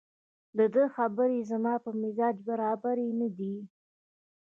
دده خبرې زما په مزاج برابرې نه دي